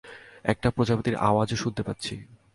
একটা প্রজাপতির আওয়াজ ও শুনতে পাচ্ছি।